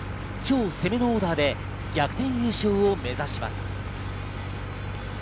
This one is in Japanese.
超攻めのオーダーで逆転優勝を目指します。